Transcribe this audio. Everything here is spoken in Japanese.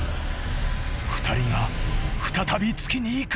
２人が再び突きにいく。